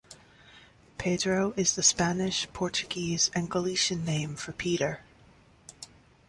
Pedro is the Spanish, Portuguese, and Galician name for "Peter".